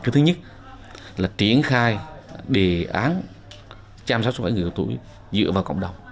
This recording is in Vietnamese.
thứ nhất là triển khai đề án chăm sóc sức khỏe người tuổi dựa vào cộng đồng